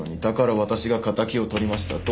だから私が敵を取りました。